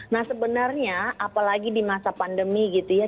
nah sebenarnya apalagi di masa pandemi gitu ya